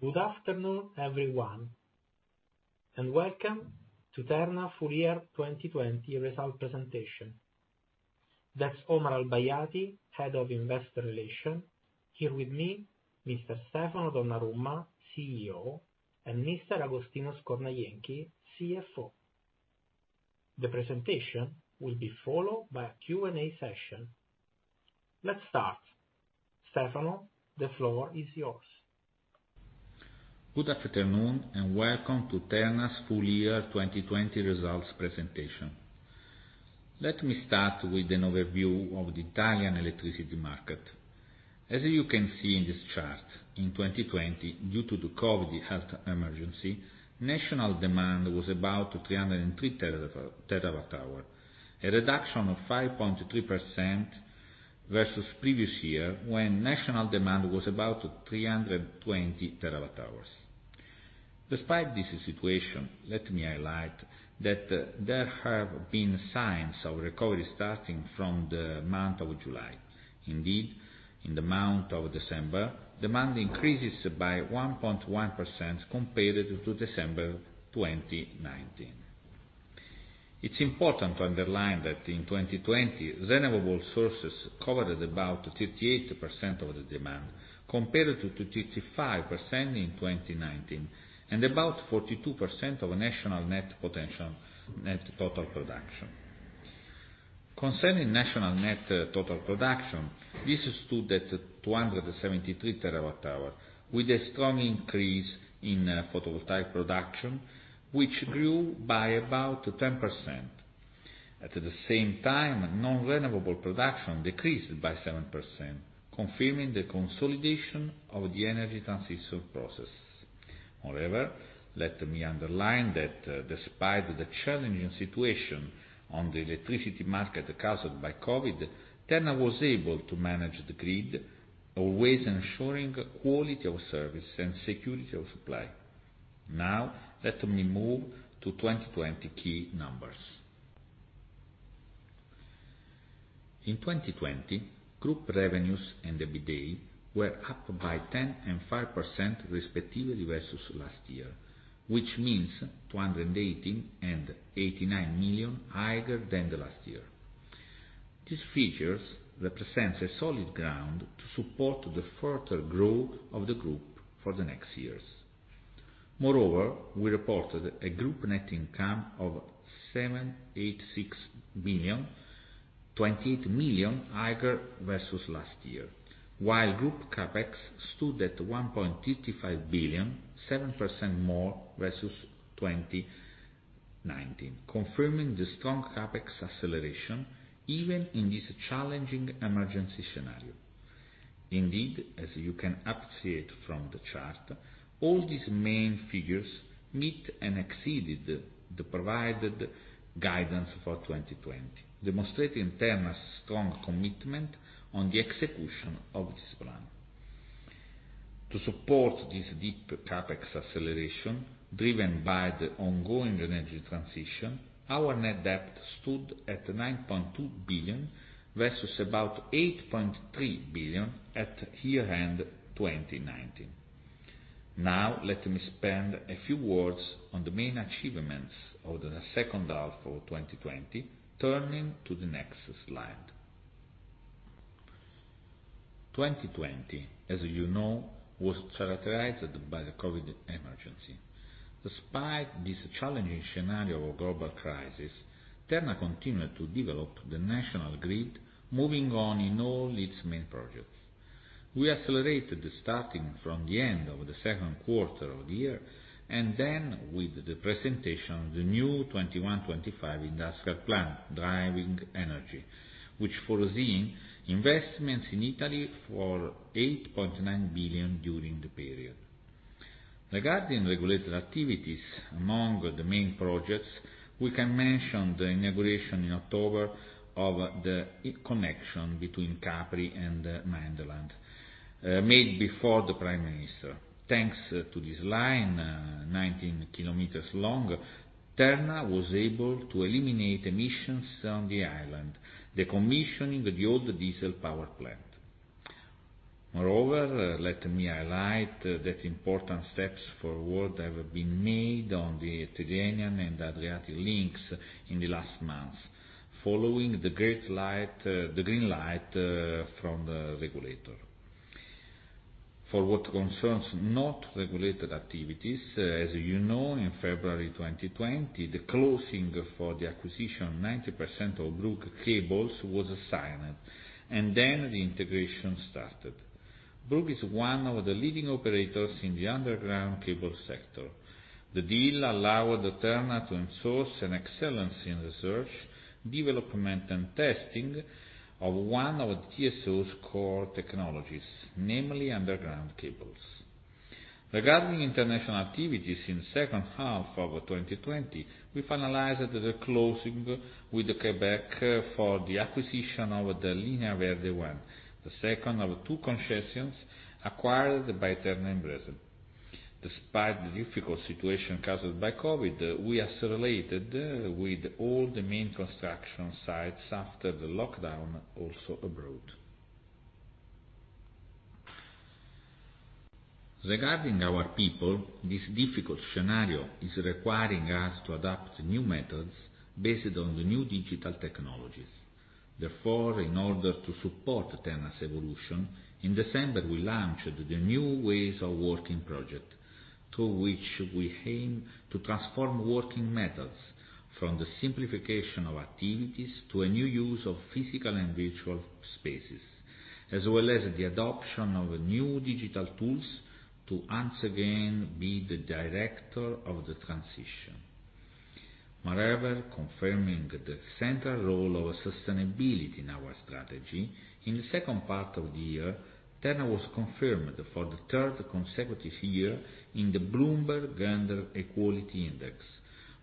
Good afternoon, everyone, and welcome to Terna full year 2020 result presentation. That's Omar Al Bayaty, Head of Investor Relations. Here with me, Mr. Stefano Donnarumma, CEO, and Mr. Agostino Scornajenchi, CFO. The presentation will be followed by a Q&A session. Let's start. Stefano, the floor is yours. Good afternoon, and welcome to Terna's full year 2020 results presentation. Let me start with an overview of the Italian electricity market. As you can see in this chart, in 2020, due to the COVID health emergency, national demand was about 303 TWh, a reduction of 5.3% versus previous year, when national demand was about 320 TWh. Despite this situation, let me highlight that there have been signs of recovery starting from the month of July. In the month of December, demand increases by 1.1% compared to December 2019. It's important to underline that in 2020, renewable sources covered about 38% of the demand, compared to 35% in 2019 and about 42% of national net total production. Concerning national net total production, this stood at 273 TWh with a strong increase in photovoltaic production, which grew by about 10%. At the same time, non-renewable production decreased by 7%, confirming the consolidation of the energy transition process. Let me underline that despite the challenging situation on the electricity market caused by COVID, Terna was able to manage the grid, always ensuring quality of service and security of supply. Let me move to 2020 key numbers. In 2020, group revenues and EBITDA were up by 10% and 5% respectively versus last year, which means 218 and 89 million higher than the last year. These figures represent a solid ground to support the further growth of the group for the next years. We reported a group net income of 786 million, 28 million higher versus last year, while group CapEx stood at 1.35 billion, 7% more versus 2019, confirming the strong CapEx acceleration even in this challenging emergency scenario. Indeed, as you can appreciate from the chart, all these main figures met and exceeded the provided guidance for 2020, demonstrating Terna's strong commitment on the execution of this plan. To support this deep CapEx acceleration driven by the ongoing energy transition, our net debt stood at 9.2 billion versus about 8.3 billion at year-end 2019. Let me spend a few words on the main achievements of the second half of 2020, turning to the next slide. 2020, as you know, was characterized by the COVID emergency. Despite this challenging scenario of global crisis, Terna continued to develop the national grid, moving on in all its main projects. We accelerated starting from the end of the second quarter of the year, with the presentation of the new 2021-2025 Industrial Plan, Driving Energy, which foresees investments in Italy for 8.9 billion during the period. Regarding regulated activities, among the main projects, we can mention the inauguration in October of the connection between Capri and mainland, made before the Prime Minister. Thanks to this line, 19 km long, Terna was able to eliminate emissions on the island, decommissioning the old diesel power plant. Moreover, let me highlight that important steps forward have been made on the Tyrrhenian and Adriatic links in the last month, following the green light from the regulator. For what concerns not regulated activities, as you know, in February 2020, the closing for the acquisition of 90% of Brugg Cables was signed, and then the integration started. Brugg is one of the leading operators in the underground cable sector. The deal allowed Terna to ensure an excellence in research, development, and testing of one of TSO's core technologies, namely underground cables. Regarding international activities in second half of 2020, we finalized the closing with the Quebec for the acquisition of the Linha Verde I, the second of two concessions acquired by Terna in Brazil. Despite the difficult situation caused by COVID, we accelerated with all the main construction sites after the lockdown, also abroad. Regarding our people, this difficult scenario is requiring us to adapt new methods based on the new digital technologies. Therefore, in order to support Terna's evolution, in December, we launched the New Ways of Working project, through which we aim to transform working methods from the simplification of activities to a new use of physical and virtual spaces, as well as the adoption of new digital tools to once again be the director of the transition. Moreover, confirming the central role of sustainability in our strategy, in the second part of the year, Terna was confirmed for the third consecutive year in the Bloomberg Gender-Equality Index,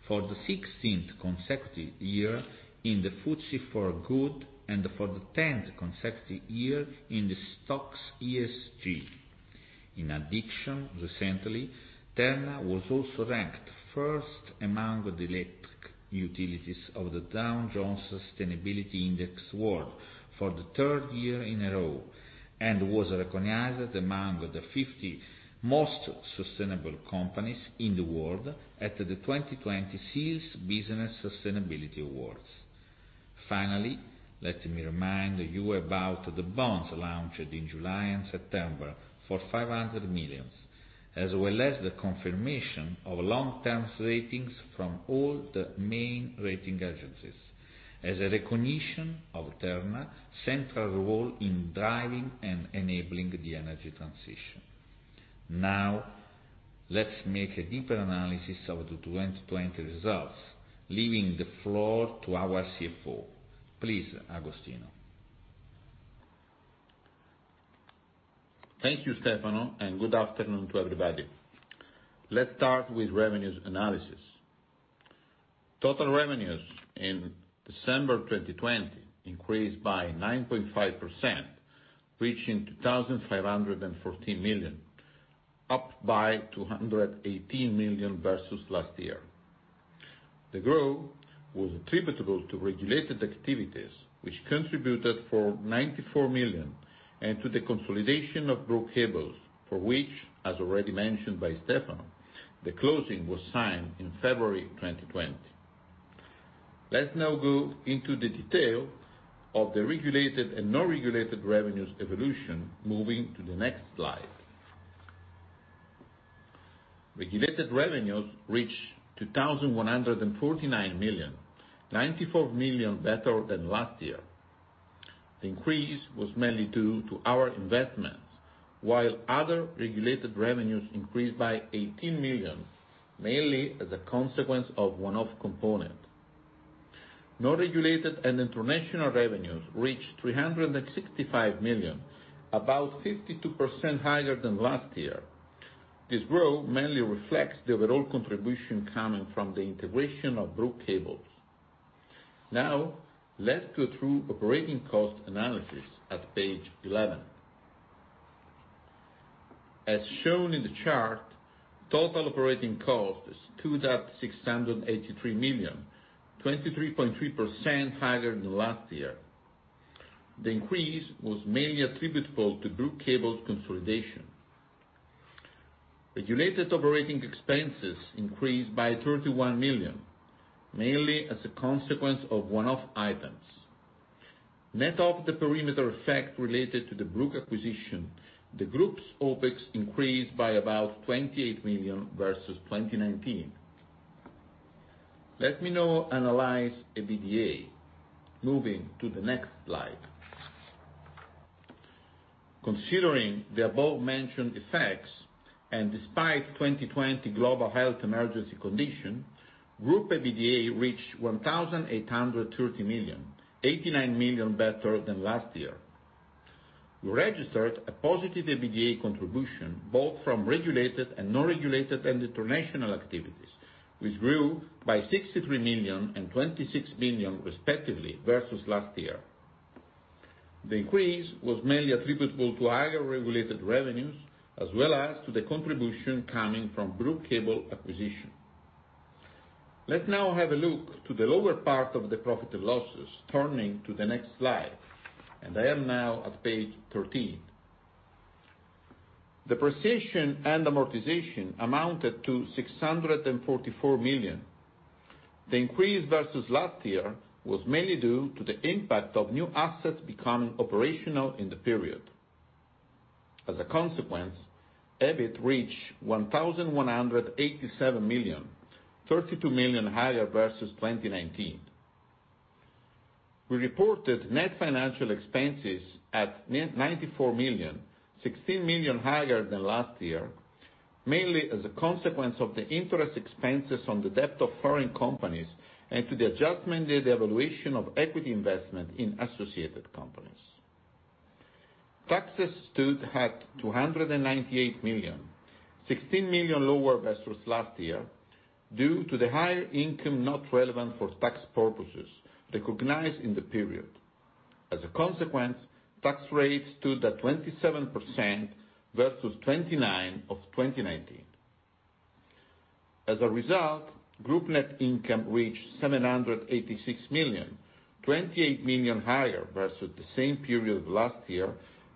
for the 16th consecutive year in the FTSE4Good, and for the 10th consecutive year in the STOXX ESG. In addition, recently, Terna was also ranked first among the electric utilities of the Dow Jones Sustainability Index World for the third year in a row and was recognized among the 50 most sustainable companies in the world at the 2020 Ceres Business Sustainability Awards. Finally, let me remind you about the bonds launched in July and September for 500 million, as well as the confirmation of long-term ratings from all the main rating agencies as a recognition of Terna's central role in driving and enabling the energy transition. Now, let's make a deeper analysis of the 2020 results, leaving the floor to our CFO. Please, Agostino. Thank you, Stefano, and good afternoon to everybody. Let's start with revenues analysis. Total revenues in December 2020 increased by 9.5%, reaching 2,514 million, up by 218 million versus last year. The growth was attributable to regulated activities, which contributed for 94 million, and to the consolidation of Brugg Kabel, for which, as already mentioned by Stefano, the closing was signed in February 2020. Let's now go into the detail of the regulated and non-regulated revenues evolution, moving to the next slide. Regulated revenues reached 2,149 million, 94 million better than last year. The increase was mainly due to our investments, while other regulated revenues increased by 18 million, mainly as a consequence of a one-off component. Non-regulated and international revenues reached 365 million, about 52% higher than last year. This growth mainly reflects the overall contribution coming from the integration of Brugg Kabel. Let's go through operating cost analysis at page 11. As shown in the chart, total operating costs stood at 683 million, 23.3% higher than last year. The increase was mainly attributable to Brugg Kabel's consolidation. Regulated operating expenses increased by 31 million, mainly as a consequence of one-off items. Net of the perimeter effect related to the Brugg acquisition, the group's OpEx increased by about 28 million versus 2019. Let me now analyze EBITDA, moving to the next slide. Considering the above-mentioned effects, and despite 2020 global health emergency condition, group EBITDA reached 1,830 million, 89 million better than last year. We registered a positive EBITDA contribution both from regulated and non-regulated and international activities, which grew by 63 million and 26 million, respectively, versus last year. The increase was mainly attributable to higher regulated revenues, as well as to the contribution coming from Brugg Kabel acquisition. Let's now have a look to the lower part of the profit and losses, turning to the next slide. I am now at page 13. Depreciation and amortization amounted to 644 million. The increase versus last year was mainly due to the impact of new assets becoming operational in the period. As a consequence, EBIT reached 1,187 million, 32 million higher versus 2019. We reported net financial expenses at 94 million, 16 million higher than last year, mainly as a consequence of the interest expenses on the debt of foreign companies and to the adjustment in the evaluation of equity investment in associated companies. Taxes stood at 298 million, 16 million lower versus last year due to the higher income not relevant for tax purposes recognized in the period. As a consequence, tax rates stood at 27% versus 29% of 2019. As a result, group net income reached 786 million, 28 million higher versus the same period last year,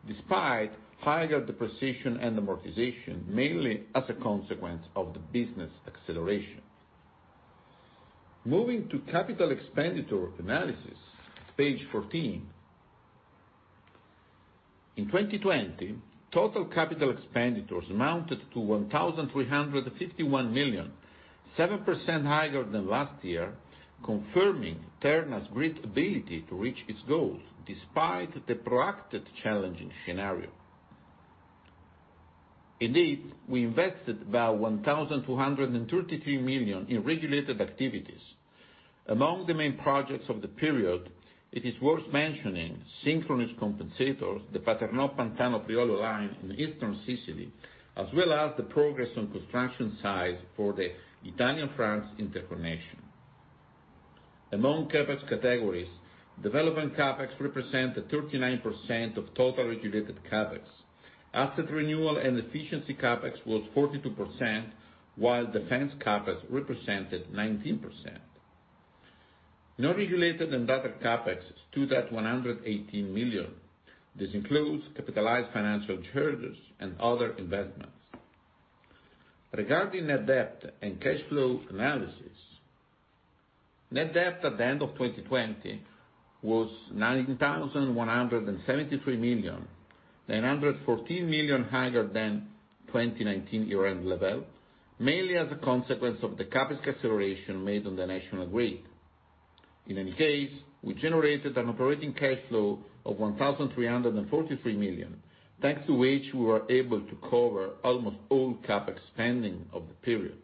despite higher depreciation and amortization, mainly as a consequence of the business acceleration. Moving to CapEx analysis, page 14. In 2020, total CapEx amounted to 1,351 million, 7% higher than last year, confirming Terna's great ability to reach its goals, despite the proactive challenging scenario. We invested about 1,233 million in regulated activities. Among the main projects of the period, it is worth mentioning synchronous compensators, the Paternò-Pantano-Priolo line in eastern Sicily, as well as the progress on construction sites for the Italy-France interconnection. Among CapEx categories, development CapEx represent 39% of total regulated CapEx. Asset renewal and efficiency CapEx was 42%, while defense CapEx represented 19%. Non-regulated and other CapEx stood at 118 million. This includes capitalized financial charges and other investments. Regarding net debt and cash flow analysis, net debt at the end of 2020 was 9,173 million, 914 million higher than 2019 year-end level, mainly as a consequence of the CapEx acceleration made on the national grid. In any case, we generated an operating cash flow of 1,343 million, thanks to which we were able to cover almost all CapEx spending of the period.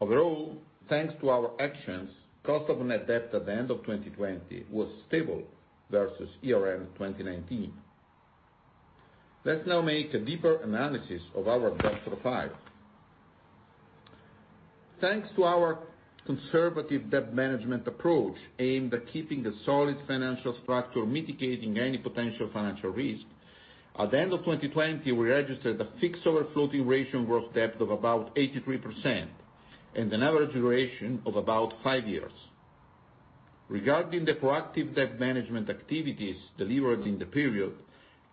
Overall, thanks to our actions, cost of net debt at the end of 2020 was stable versus year-end 2019. Let's now make a deeper analysis of our debt profile. Thanks to our conservative debt management approach, aimed at keeping a solid financial structure, mitigating any potential financial risk, at the end of 2020, we registered a fixed over floating ratio gross debt of about 83% and an average duration of about five years. Regarding the proactive debt management activities delivered in the period,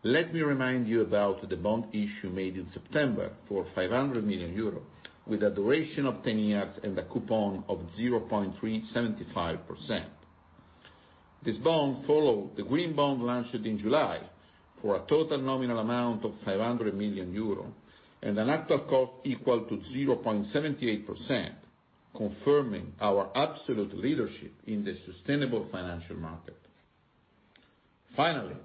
let me remind you about the bond issue made in September for 500 million euro, with a duration of 10 years and a coupon of 0.375%. This bond followed the green bond launched in July for a total nominal amount of 500 million euro and an actual cost equal to 0.78%, confirming our absolute leadership in the sustainable financial market. Finally,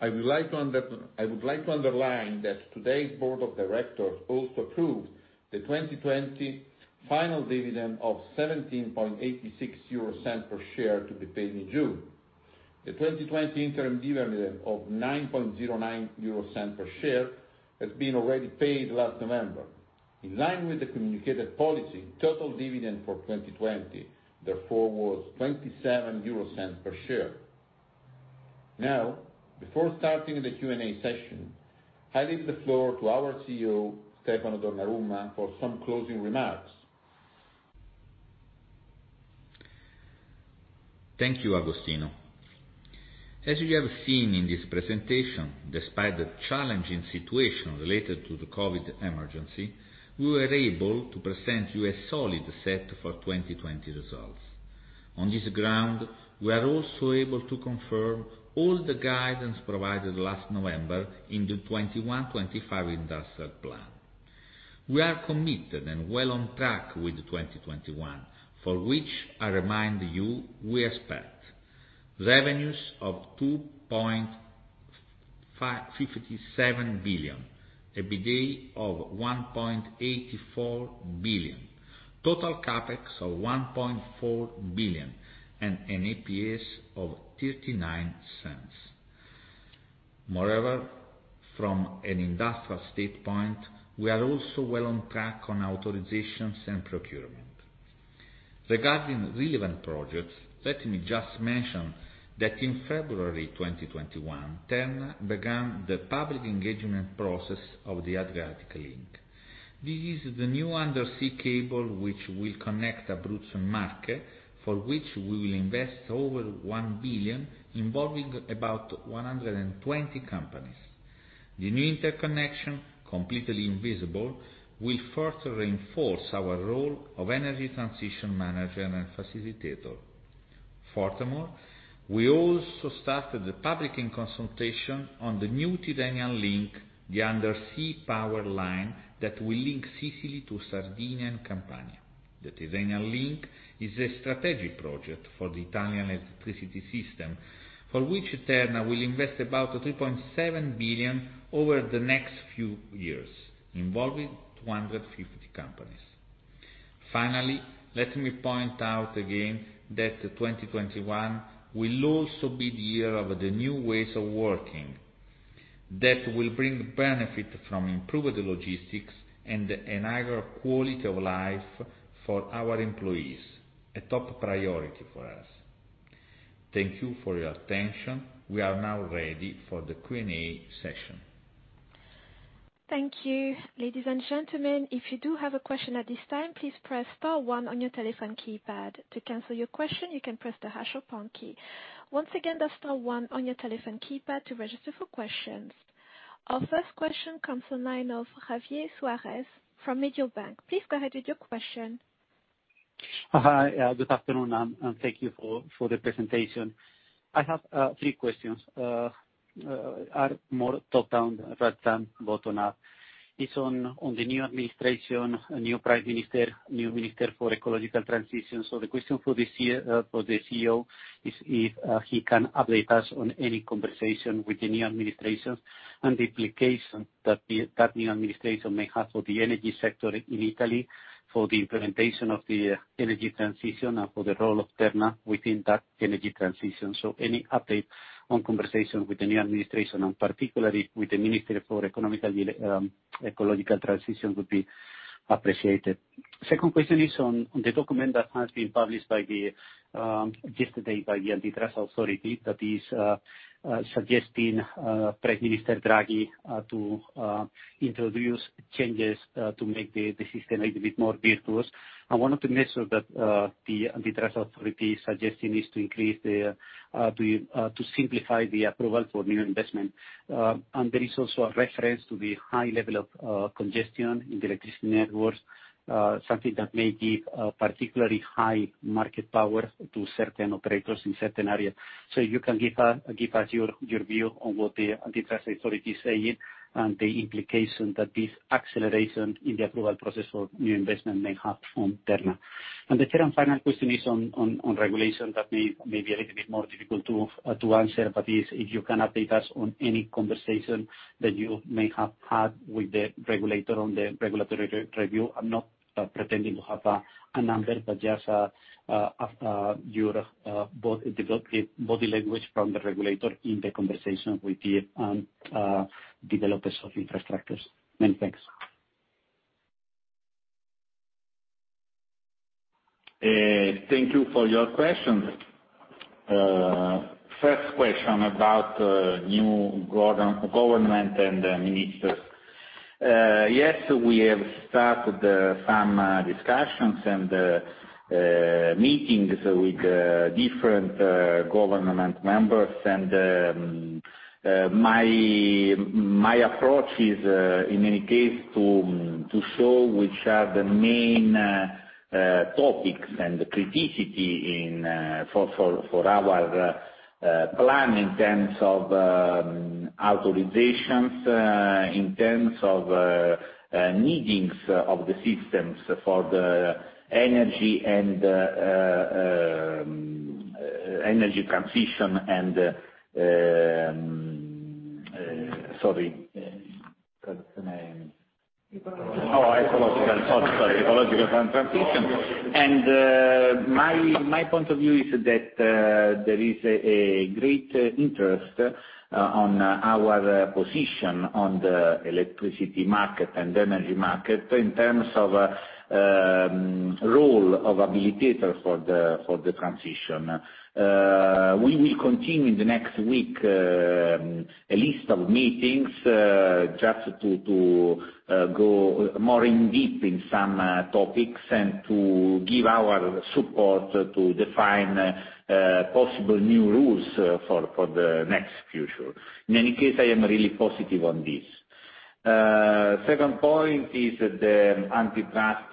I would like to underline that today's board of directors also approved the 2020 final dividend of 17.86 euro per share to be paid in June. The 2020 interim dividend of 9.09 euro per share has been already paid last November. In line with the communicated policy, total dividend for 2020 therefore, was 27 euro per share. Now, before starting the Q&A session, I leave the floor to our CEO, Stefano Donnarumma, for some closing remarks. Thank you, Agostino. As you have seen in this presentation, despite the challenging situation related to the COVID emergency, we were able to present you a solid set for 2020 results. On this ground, we are also able to confirm all the guidance provided last November in the 2021, 2025 industrial plan. We are committed and well on track with 2021, for which I remind you, we expect revenues of 2.57 billion, EBITDA of 1.84 billion, total CapEx of 1.4 billion, and an EPS of 0.39. From an industrial state point, we are also well on track on authorizations and procurement. Regarding relevant projects, let me just mention that in February 2021, Terna began the public engagement process of the Adriatic Link. This is the new undersea cable which will connect Abruzzo and Marche, for which we will invest over 1 billion, involving about 120 companies. The new interconnection, completely invisible, will further reinforce our role of energy transition manager and facilitator. Furthermore, we also started the public consultation on the new Tyrrhenian Link, the undersea power line that will link Sicily to Sardinia and Campania. The Tyrrhenian Link is a strategic project for the Italian electricity system, for which Terna will invest about 3.7 billion over the next few years, involving 250 companies. Finally, let me point out again that 2021 will also be the year of the New Ways of Working. That will bring benefit from improved logistics and a higher quality of life for our employees, a top priority for us. Thank you for your attention. We are now ready for the Q&A session. Thank you. Ladies and gentlemen, if you do have a question at this time, please press star one on your telephone keypad. To cancel your question, you can press the hash or pound key. Once again, that's star one on your telephone keypad to register for questions. Our first question comes on line of Javier Suárez from Mediobanca. Please go ahead with your question. Hi. Good afternoon, thank you for the presentation. I have three questions. Are more top-down rather than bottom-up. It's on the new administration, new Prime Minister, new Minister for Ecological Transition. The question for the CEO is if he can update us on any conversation with the new administration, and the implication that the new administration may have for the energy sector in Italy, for the implementation of the energy transition, and for the role of Terna within that energy transition. Any update on conversation with the new administration, and particularly with the Ministry for Ecological Transition, would be appreciated. Second question is on the document that has been published yesterday by the antitrust authority, that is suggesting Prime Minister Draghi to introduce changes to make the system a little bit more virtuous. I wanted to make sure that the antitrust authority suggestion is to simplify the approval for new investment. There is also a reference to the high level of congestion in the electricity networks, something that may give a particularly high market power to certain operators in certain areas. You can give us your view on what the antitrust authority is saying, and the implication that this acceleration in the approval process for new investment may have from Terna. The third and final question is on regulation that may be a little bit more difficult to answer, but if you can update us on any conversation that you may have had with the regulator on the regulatory review. I am not pretending to have a number, but just your body language from the regulator in the conversation with the developers of infrastructures. Many thanks. Thank you for your questions. First question about new government and the ministers. Yes, we have started some discussions and meetings with different government members. My approach is, in any case, to show which are the main topics and the criticality for our plan in terms of authorizations, in terms of needs of the systems for the energy transition. Ecological. Ecological. Sorry. Ecological transition. My point of view is that there is a great interest on our position on the electricity market and the energy market in terms of role of facilitator for the transition. We will continue in the next week a list of meetings just to go more in depth in some topics, and to give our support to define possible new rules for the next future. In any case, I am really positive on this. Second point is the antitrust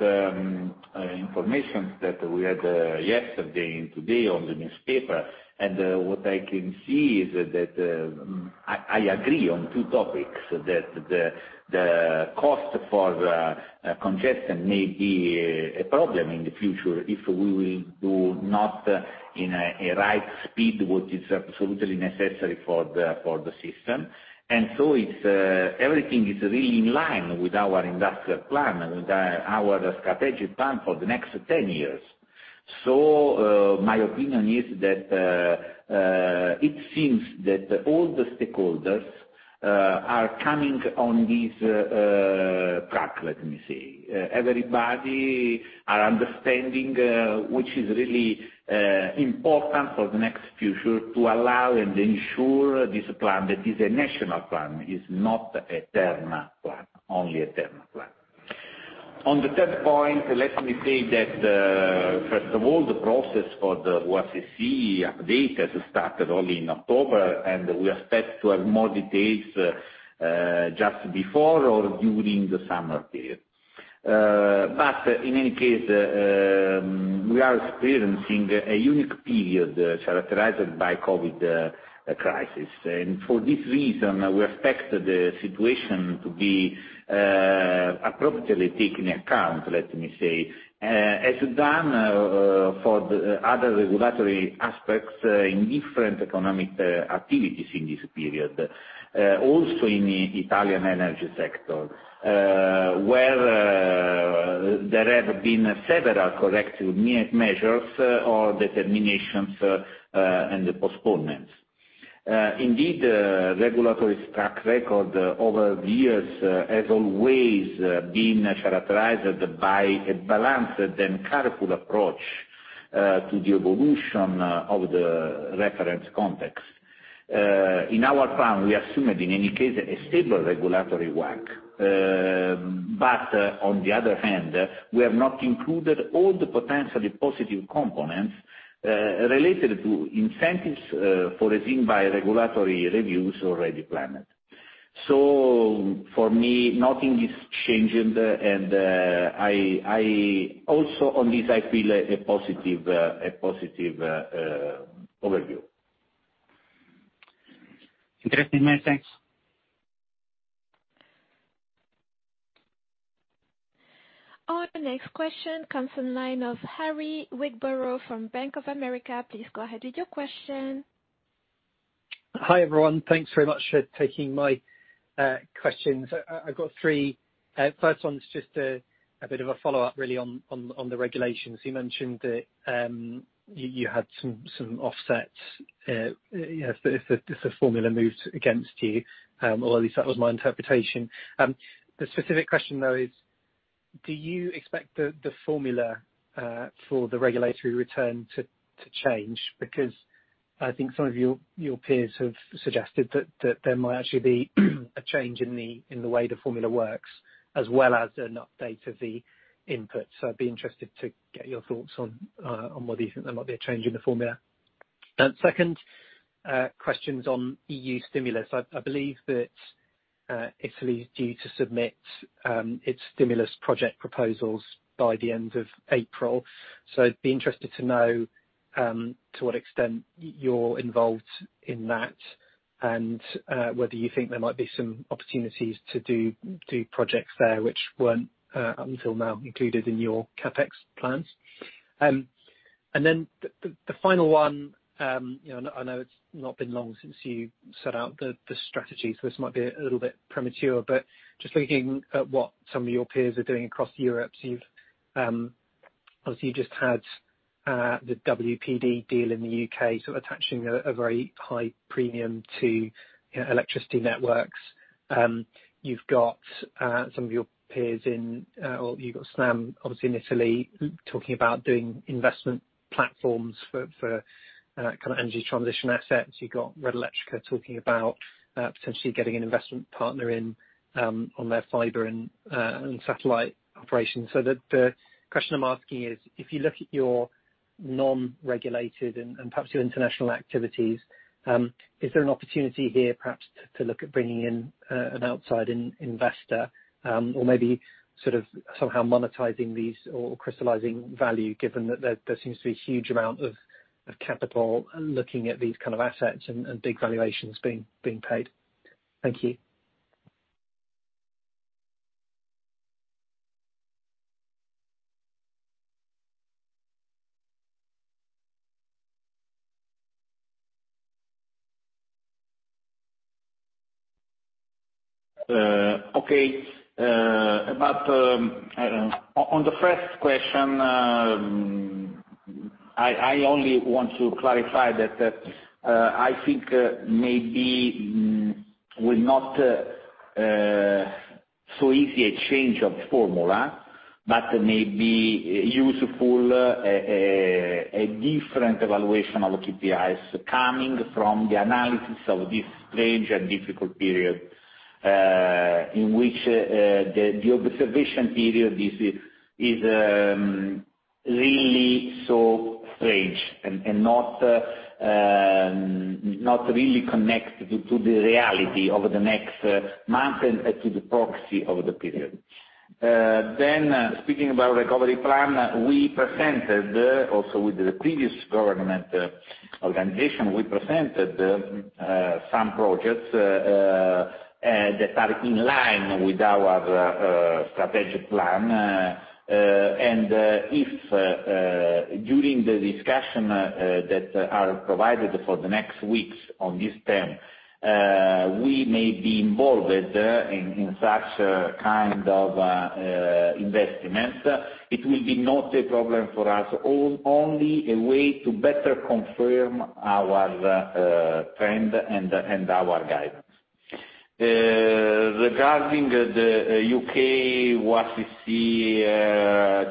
information that we had yesterday and today on the newspaper. What I can see is that I agree on two topics, that the cost for congestion may be a problem in the future if we will do not in a right speed what is absolutely necessary for the system. Everything is really in line with our industrial plan and with our strategic plan for the next 10 years. My opinion is that it seems that all the stakeholders are coming on this track, let me say. Everybody are understanding, which is really important for the next future, to allow and ensure this plan. That is a national plan, is not a Terna plan, only a Terna plan. On the third point, let me say that, first of all, the process for the WACC update has started only in October, and we expect to have more details just before or during the summer period. In any case, we are experiencing a unique period characterized by COVID crisis. For this reason, we expect the situation to be appropriately taken account, let me say, as done for the other regulatory aspects in different economic activities in this period, also in the Italian energy sector, where there have been several corrective measures or determinations and postponements. Indeed, regulatory track record over the years has always been characterized by a balanced and careful approach to the evolution of the reference context. In our plan, we assumed, in any case, a stable regulatory WACC. On the other hand, we have not included all the potentially positive components related to incentives foreseen by regulatory reviews already planned. For me, nothing is changing, and also on this, I feel a positive overview. Interesting, mate. Thanks. Our next question comes from the line of Harry Wyburd from Bank of America. Please go ahead with your question. Hi, everyone. Thanks very much for taking my questions. I got three. First one is just a bit of a follow-up, really, on the regulations. You mentioned that you had some offsets if the formula moves against you, or at least that was my interpretation. The specific question, though, is, do you expect the formula for the regulatory return to change? I think some of your peers have suggested that there might actually be a change in the way the formula works, as well as an update of the input. I'd be interested to get your thoughts on whether you think there might be a change in the formula. Second question is on EU stimulus. I believe that Italy is due to submit its stimulus project proposals by the end of April. I'd be interested to know to what extent you're involved in that and whether you think there might be some opportunities to do projects there which weren't, until now, included in your CapEx plans. The final one, I know it's not been long since you set out the strategy, this might be a little bit premature, just looking at what some of your peers are doing across Europe. You've obviously just had the WPD deal in the U.K., sort of attaching a very high premium to electricity networks. You've got some of your peers in, or you've got Snam obviously in Italy, talking about doing investment platforms for kind of energy transition assets. You've got Red Eléctrica talking about potentially getting an investment partner in on their fiber and satellite operations. The question I'm asking is, if you look at your non-regulated and perhaps your international activities, is there an opportunity here perhaps to look at bringing in an outside investor or maybe sort of somehow monetizing these or crystallizing value, given that there seems to be a huge amount of capital looking at these kind of assets and big valuations being paid? Thank you. Okay. On the first question, I only want to clarify that I think maybe will not so easy a change of formula, but may be useful, a different evaluation of KPIs coming from the analysis of this strange and difficult period, in which the observation period is really so strange and not really connected to the reality over the next month and to the proxy of the period. Speaking about recovery plan, we presented also with the previous government organization, we presented some projects that are in line with our strategic plan. If during the discussion that are provided for the next weeks on this term, we may be involved in such kind of investments. It will be not a problem for us, only a way to better confirm our trend and our guidance. Regarding the U.K., what we see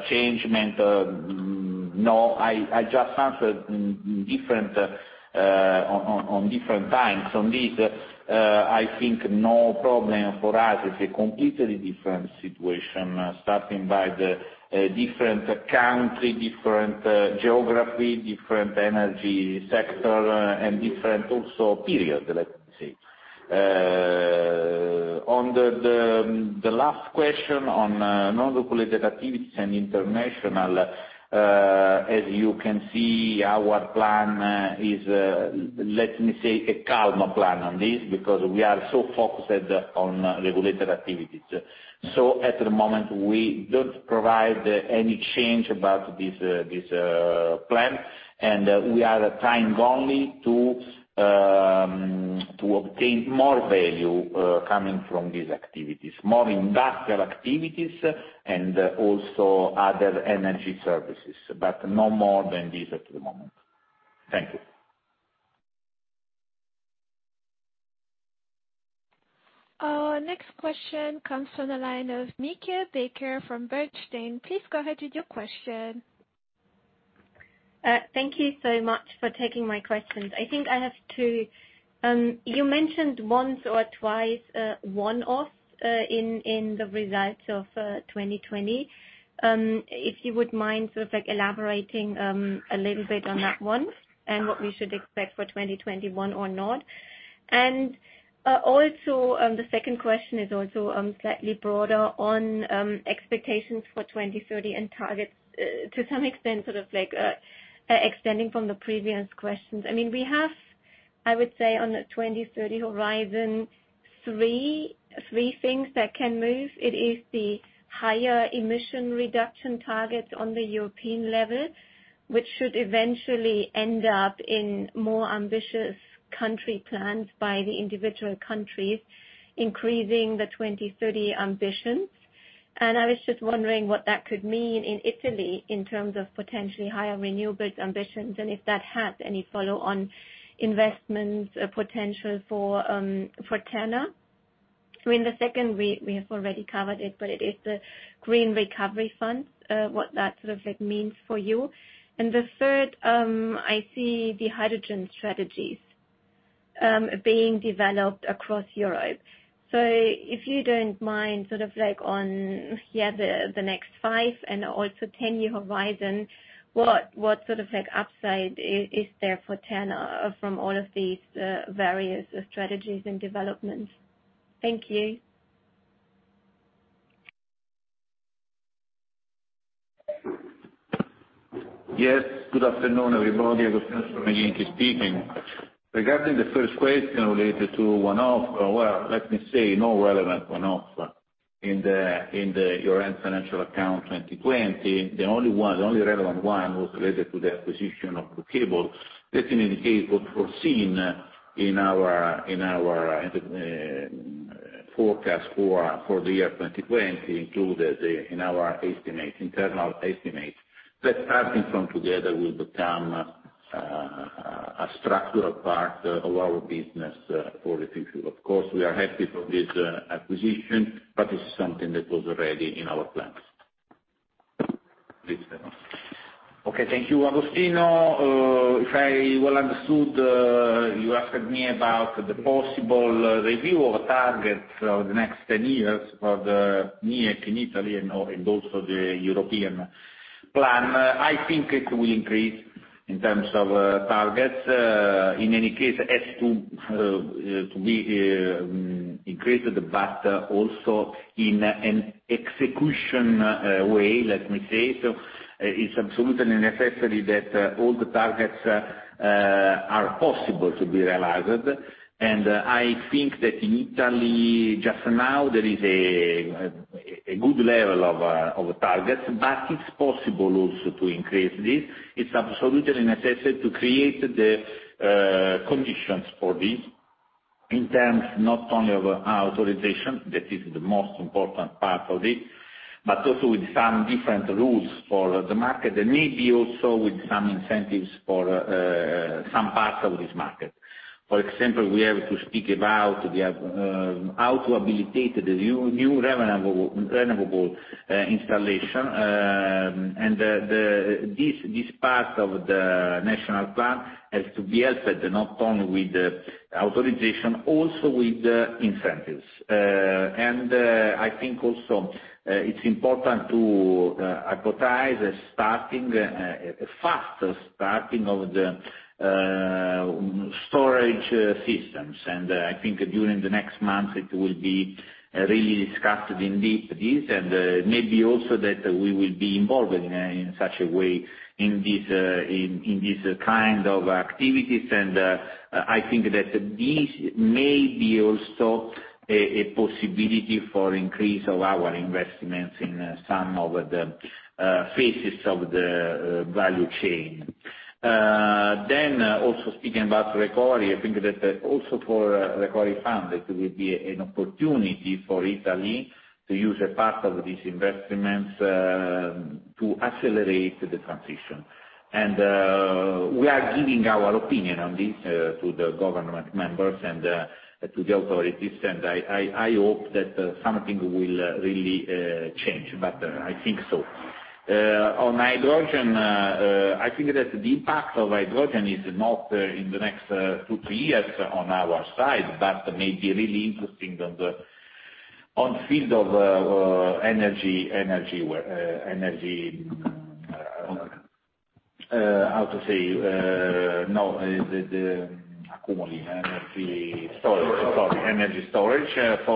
change meant, no, I just answered on different times on this. I think no problem for us. It's a completely different situation, starting by the different country, different geography, different energy sector, and different also period, let me say. On the last question on non-regulated activities and international, as you can see, our plan is, let me say, a calmer plan on this, because we are so focused on regulated activities. At the moment, we don't provide any change about this plan, and we are trying only to obtain more value coming from these activities, more industrial activities and also other energy services, but no more than this at the moment. Thank you. Our next question comes from the line of Meike Becker from Bernstein. Please go ahead with your question. Thank you so much for taking my questions. You mentioned once or twice, one-off, in the results of 2020. If you would mind sort of elaborating a little bit on that once, and what we should expect for 2021 or not. Also, the second question is also slightly broader on expectations for 2030 and targets, to some extent, sort of extending from the previous questions. We have, I would say, on the 2030 horizon, three things that can move. It is the higher emission reduction targets on the European level, which should eventually end up in more ambitious country plans by the individual countries, increasing the 2030 ambitions. I was just wondering what that could mean in Italy in terms of potentially higher renewables ambitions, and if that has any follow on investment potential for Terna. In the second, we have already covered it, but it is the Green Recovery Fund, what that sort of means for you. The third, I see the hydrogen strategies being developed across Europe. If you don't mind, sort of like on, the next five and also 10-year horizon, what sort of upside is there for Terna from all of these various strategies and developments? Thank you. Yes. Good afternoon, everybody. Agostino speaking. Regarding the first question related to one-off. Let me say no relevant one-off in the year-end financial account 2020. The only relevant one was related to the acquisition of Kabel. That was foreseen in our forecast for the year 2020, included in our internal estimates, that starting from Brugg Kabel will become a structural part of our business for the future. Of course, we are happy for this acquisition, it's something that was already in our plans. Please, Stefano. Okay. Thank you, Agostino. If I well understood, you asked me about the possible review of targets for the next 10 years for the NECP in Italy and also the European plan. I think it will increase in terms of targets. In any case, it has to be increased, also in an execution way, let me say. It's absolutely necessary that all the targets are possible to be realized, and I think that in Italy, just now, there is a good level of targets, but it's possible also to increase this. It's absolutely necessary to create the conditions for this in terms not only of authorization, that is the most important part of it, but also with some different rules for the market, and maybe also with some incentives for some parts of this market. For example, we have to speak about how to habilitate the new renewable installation. This part of the national plan has to be helped, and not only with the authorization, also with the incentives. I think also, it's important to advertise a faster starting of the storage systems. I think during the next month, it will be really discussed in depth, this, and maybe also that we will be involved in such a way in this kind of activities. I think that this may be also a possibility for increase of our investments in some of the phases of the value chain. Also speaking about recovery, I think that also for recovery fund, it will be an opportunity for Italy to use a part of these investments, to accelerate the transition. We are giving our opinion on this to the government members and to the authorities, and I hope that something will really change, but I think so. On hydrogen, I think that the impact of hydrogen is not in the next two, three years on our side, but may be really interesting on field of energy storage. Sorry, energy storage. For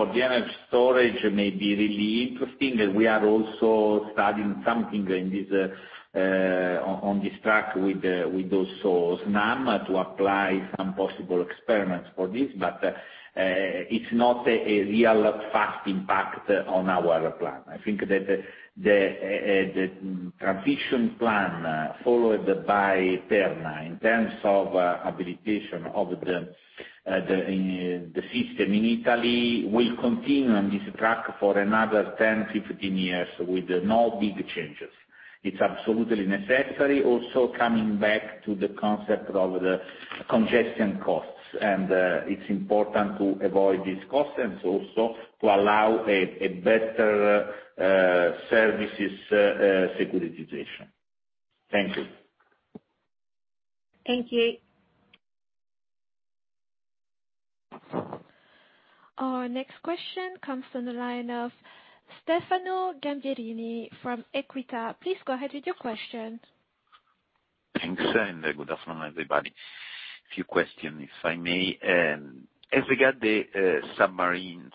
the energy storage, may be really interesting, and we are also studying something on this track with those source, Snam, to apply some possible experiments for this, but it's not a real fast impact on our plan. I think that the transition plan followed by Terna in terms of habilitation of the system in Italy will continue on this track for another 10, 15 years with no big changes. It's absolutely necessary. Also, coming back to the concept of the congestion costs, and it's important to avoid these costs, and also to allow a better services securitization. Thank you. Thank you. Our next question comes from the line of Stefano Gamberini from EQUITA. Please go ahead with your question. Thanks, good afternoon, everybody. A few questions, if I may. As regards the submarine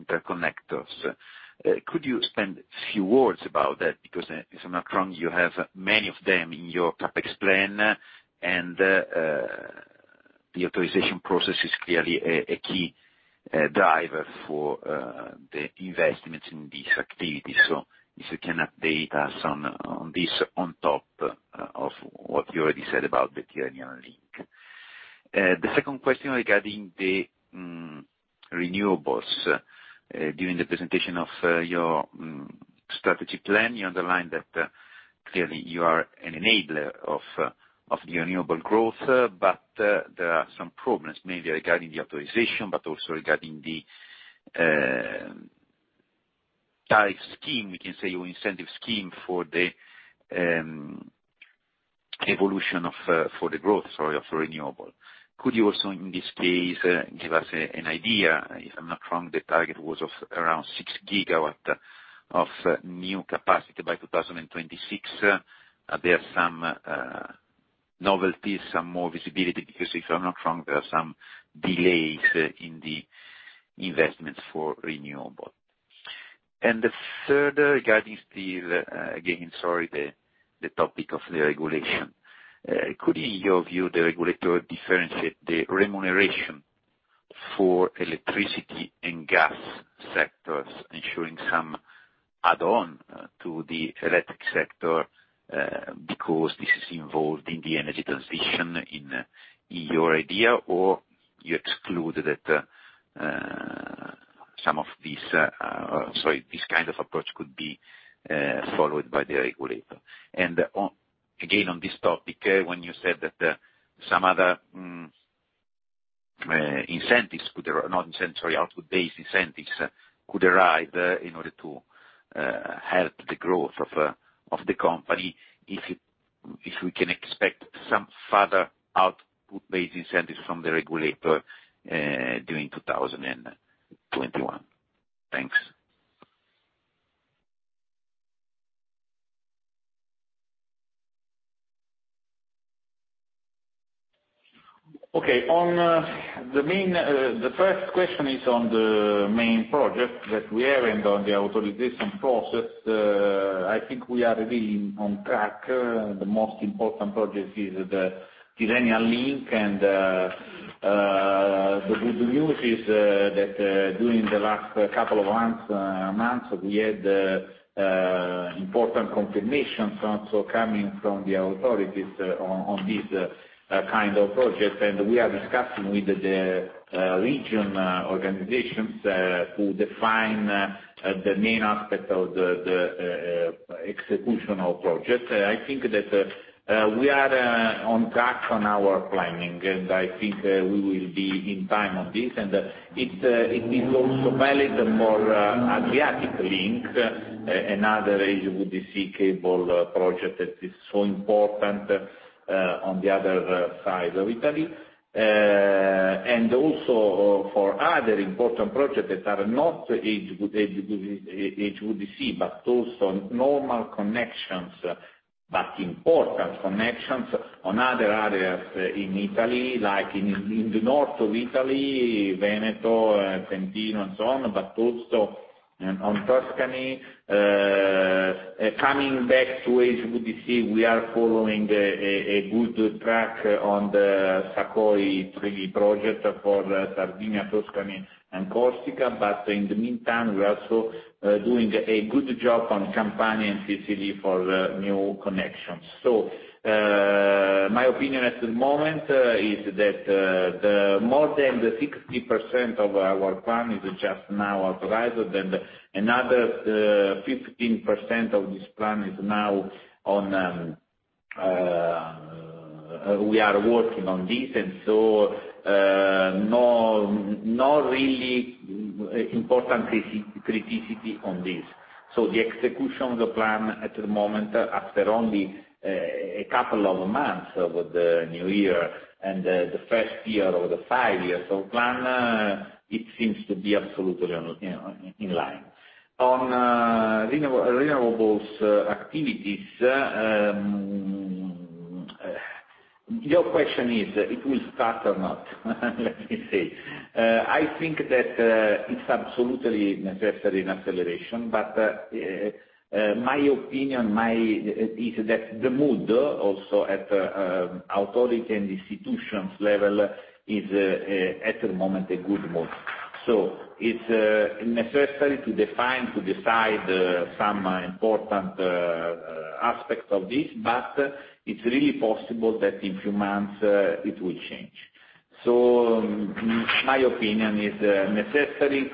interconnectors, could you expand a few words about that? If I'm not wrong, you have many of them in your CapEx plan, and the authorization process is clearly a key driver for the investments in these activities. If you can update us on this on top of what you already said about the Tyrrhenian Link. The second question regarding the renewables. During the presentation of your strategy plan, you underlined that clearly you are an enabler of the renewable growth, but there are some problems maybe regarding the authorization, but also regarding the type scheme, we can say, or incentive scheme for the evolution for the growth, sorry, of renewables. Could you also, in this case, give us an idea? If I'm not wrong, the target was of around 6 gigawatt of new capacity by 2026. Are there some novelties, some more visibility? If I'm not wrong, there are some delays in the investments for renewable. The third, regarding still, again, sorry, the topic of the regulation. Could, in your view, the regulator differentiate the remuneration for electricity and gas sectors, ensuring some add-on to the electric sector, because this is involved in the energy transition in your idea, or you exclude that some of this kind of approach could be followed by the regulator? Again, on this topic, when you said that some other output-based incentives could arise in order to help the growth of the company, if we can expect some further output-based incentives from the regulator during 2021. Thanks. The first question is on the main project that we have and on the authorization process. I think we are really on track. The most important project is the Tyrrhenian Link, and the good news is that during the last couple of months, we had important confirmations also coming from the authorities on this kind of project. And we are discussing with the region organizations to define the main aspect of the executional project. I think that we are on track on our planning, and I think we will be in time on this, and it is also valid for Adriatic Link, another agency with the sea cable project that is so important on the other side of Italy. Also for other important projects that are not agency, but also normal connections, but important connections on other areas in Italy, like in the north of Italy, Veneto, Trentino, and so on, but also on Tuscany. Coming back to agency, we are following a good track on the Sa.Co.I.3 project for Sardinia, Tuscany, and Corsica, but in the meantime, we are also doing a good job on Campania and Sicily for new connections. My opinion at the moment is that the more than the 60% of our plan is just now authorized, and another 15% of this plan is now on. We are working on this, and so, no really important criticality on this. The execution of the plan at the moment, after only a couple of months of the new year and the first year of the five years of plan, it seems to be absolutely in line. On renewables activities, your question is, it will start or not? Let me see. I think that it's absolutely necessary an acceleration, but my opinion is that the mood also at authority and institutions level is, at the moment, a good mood. It's necessary to define, to decide some important aspects of this, but it's really possible that in few months it will change. My opinion, it's necessary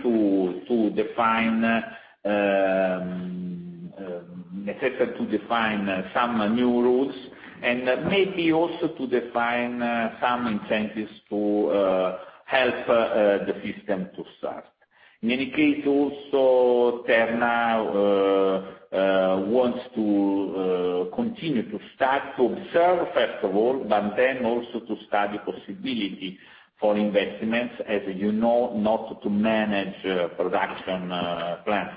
to define some new rules, and maybe also to define some incentives to help the system to start. In any case, also, Terna wants to continue to start to observe, first of all, but then also to study possibility for investments. As you know, not to manage production plans,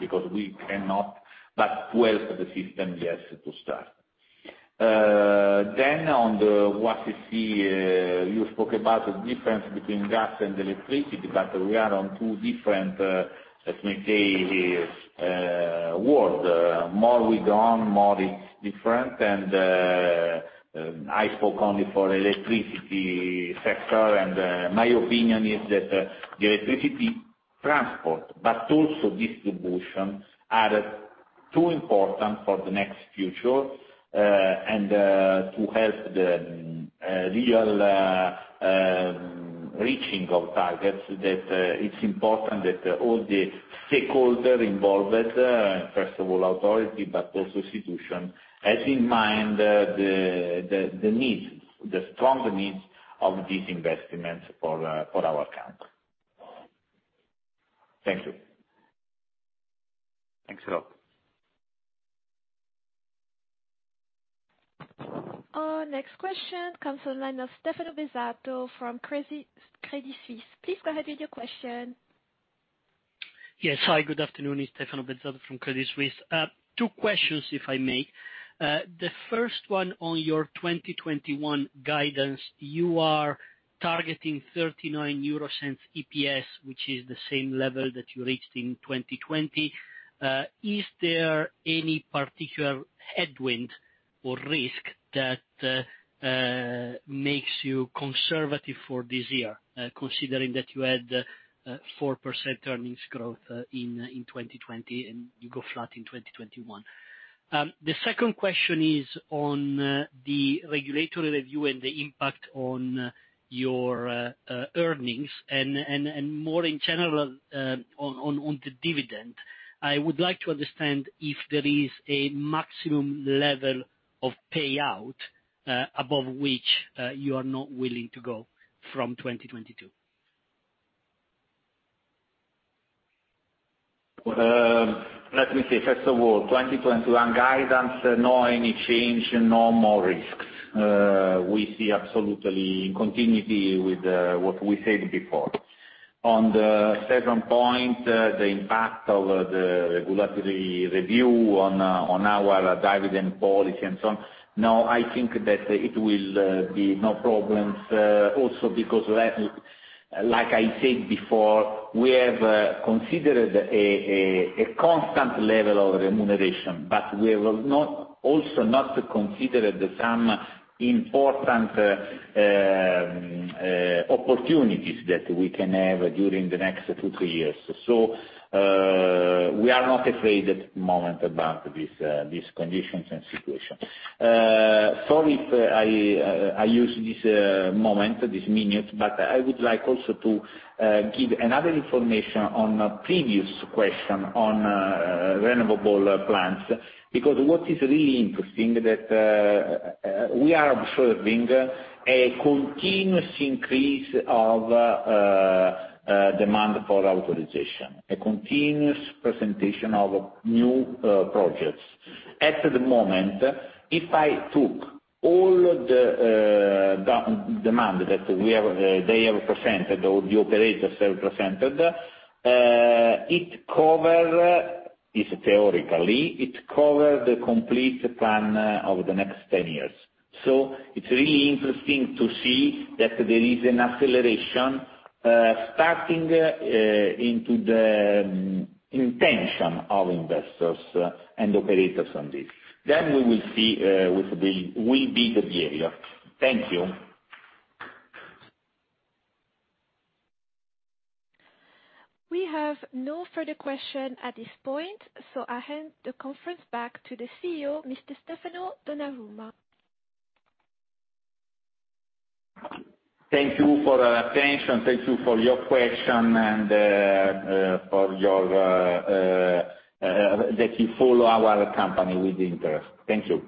because we cannot, but to help the system, yes, to start. On the WACC, you spoke about the difference between gas and electricity, but we are on two different, let me say, worlds. The more we go on, the more it's different, and I spoke only for electricity sector, and my opinion is that the electricity transport, but also distribution, are too important for the next future, and to help the real reaching of targets, that it's important that all the stakeholders involved, first of all authority, but also institutions, has in mind the strong needs of these investments for our country. Thank you. Thanks a lot. Our next question comes on the line of Stefano Bezzato from Credit Suisse. Please go ahead with your question. Yes. Hi, good afternoon. It's Stefano Bezzato from Credit Suisse. Two questions, if I may. The first one on your 2021 guidance, you are targeting 0.39 EPS, which is the same level that you reached in 2020. Is there any particular headwind or risk that makes you conservative for this year, considering that you had 4% earnings growth in 2020 and you go flat in 2021? The second question is on the regulatory review and the impact on your earnings, and more in general, on the dividend. I would like to understand if there is a maximum level of payout above which you are not willing to go from 2022. Let me see. First of all, 2021 guidance, no any change, no more risks. We see absolutely in continuity with what we said before. On the second point, the impact of the regulatory review on our dividend policy and so on. I think that it will be no problems, also because, like I said before, we have considered a constant level of remuneration, but we will also not consider some important opportunities that we can have during the next two, three years. We are not afraid at the moment about these conditions and situation. Sorry if I use this moment, this minute, but I would like also to give another information on a previous question on renewable plans. What is really interesting, that we are observing a continuous increase of demand for authorization, a continuous presentation of new projects. At the moment, if I took all the demand that they have presented, or the operators have presented, it cover, theoretically, the complete plan of the next 10 years. It's really interesting to see that there is an acceleration starting into the intention of investors and operators on this. We will see with the behavior. Thank you. We have no further question at this point, so I hand the conference back to the CEO, Mr. Stefano Donnarumma. Thank you for attention. Thank you for your question, and that you follow our company with interest. Thank you.